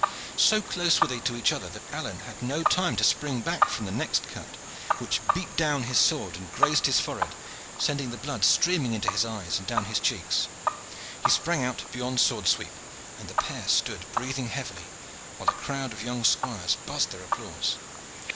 So close were they to each other that Alleyne had no time to spring back from the next cut, which beat down his sword and grazed his forehead, sending the blood streaming into his eyes and down his cheeks. He sprang out beyond sword sweep, and the pair stood breathing heavily, while the crowd of young squires buzzed their applause.